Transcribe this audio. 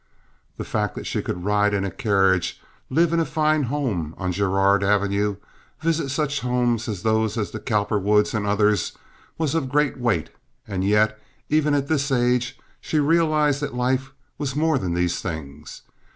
The fact that she could ride in a carriage, live in a fine home on Girard Avenue, visit such homes as those of the Cowperwoods and others, was of great weight; and yet, even at this age, she realized that life was more than these things.